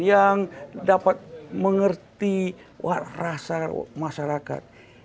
yang dapat mengerti rasa masyarakat